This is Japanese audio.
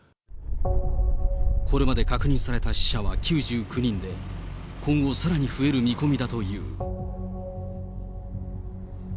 これまで確認された死者は９９人で、今後さらに増える見込みだという。